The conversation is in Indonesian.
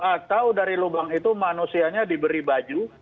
atau dari lubang itu manusianya diberi baju